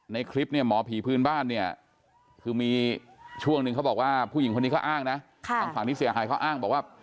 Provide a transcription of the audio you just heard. ในคลิปมอผีพื้นบ้านมีช่วงนึงเค้าบอกว่าทางขายเข้าอ้างว่า